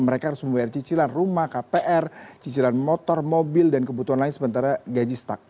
mereka harus membayar cicilan rumah kpr cicilan motor mobil dan kebutuhan lain sementara gaji stuck